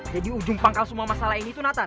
jadi ujung pangkal semua masalah ini tuh nathan